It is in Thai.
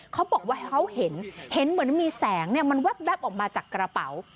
เขาบอกว่าเขาเห็นเห็นเหมือนมีแสงมันแว๊บออกมาจากกระเป๋า